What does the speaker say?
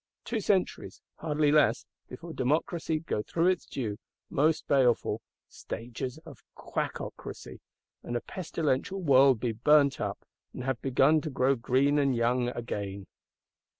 Two centuries; hardly less; before Democracy go through its due, most baleful, stages of _Quack_ocracy; and a pestilential World be burnt up, and have begun to grow green and young again.